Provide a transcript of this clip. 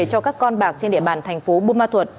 cho các con bạc trên địa bàn thành phố bộ ma thuật